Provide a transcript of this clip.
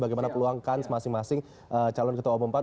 bagaimana peluangkan masing masing calon ketua umum pan